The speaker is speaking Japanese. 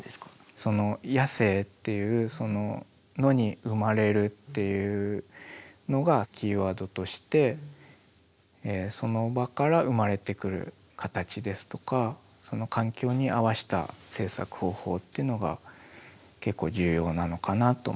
その「野生」っていう「野に生まれる」っていうのがキーワードとしてその場から生まれてくる形ですとかその環境に合わせた制作方法っていうのが結構重要なのかなと思ってます。